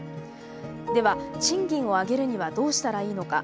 では賃金を上げるにはどうしたらいいのか。